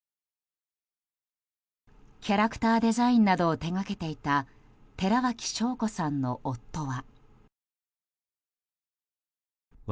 キャラクターデザインなどを手掛けていた寺脇晶子さんの夫は。